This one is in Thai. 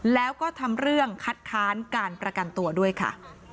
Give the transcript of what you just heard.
แล้วก็ทำเรื่องคัดค้านการประกันตัวด้วยค่ะ